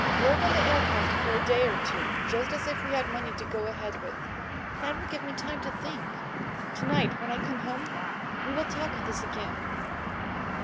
"Work on the aircraft for a day or two, just as if we had money to go ahead with. That will give me time to think. To night, when I come home, we will talk of this again."